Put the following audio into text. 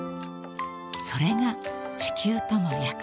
［それが地球との約束］